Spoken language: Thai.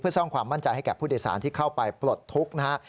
สร้างความมั่นใจให้แก่ผู้โดยสารที่เข้าไปปลดทุกข์นะฮะ